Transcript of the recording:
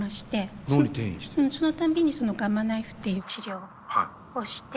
その度にガンマナイフっていう治療をして。